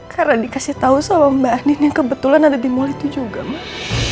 karena dikasih tau sama mbak andin yang kebetulan ada di mall itu juga mak